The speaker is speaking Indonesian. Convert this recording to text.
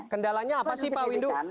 kendalanya apa sih pak windu